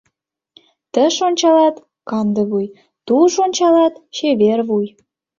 Тыш ончалат — кандывуй, туш ончалат — чевер вуй.